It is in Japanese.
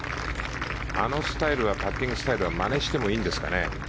あのパッティングスタイルはまねしてもいいんですかね。